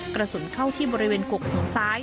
กระสุนเข้าที่บริเวณกกหูซ้าย